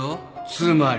つまり。